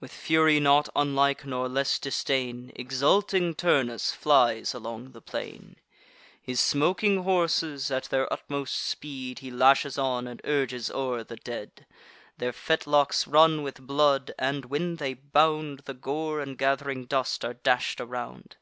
With fury not unlike, nor less disdain, Exulting Turnus flies along the plain: His smoking horses, at their utmost speed, He lashes on, and urges o'er the dead. Their fetlocks run with blood; and, when they bound, The gore and gath'ring dust are dash'd around.